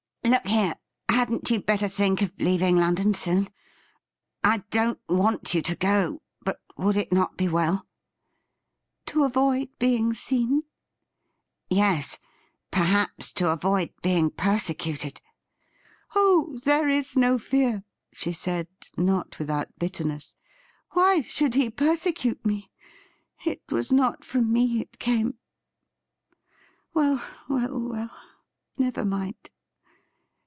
' Look here, hadn't you better think of leaving London soon ? I don't want you to go, but would it not be well ?'' To avoid being seen ?' Yes ; perhaps to avoid being persecuted.' ' Oh, there is no fear,' she said, not without bitterness. ' Wliy should he persecute me ? It was not from me it came. Well, well, well, never mind.